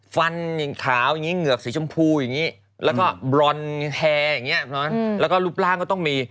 ฟันอย่างขาวอย่างนี้เหงือกสีชมพูอย่างนี้แล้วก็บรอนแฮอย่างนี้แล้วก็รูปร่างก็ต้องมี